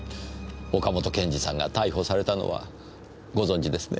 岡本賢治さんが逮捕されたのはご存じですね？